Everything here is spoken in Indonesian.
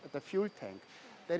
di tank perang